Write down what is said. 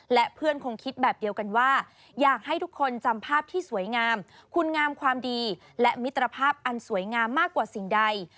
และเพื่อนคงคิดแบบเดียวกันว่าอยากให้ทุกคนจำภาพที่สวยงามคุณงามความดีและมิตรภาพอันสวยงามมากกว่าสิ่งใด